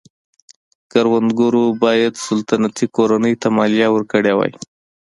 کروندګرو باید سلطنتي کورنۍ ته مالیه ورکړې وای.